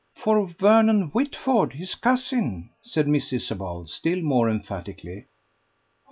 "For Vernon Whitford, his cousin." said Miss Isabel, still more emphatically.